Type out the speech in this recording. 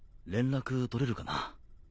連絡取れるかな？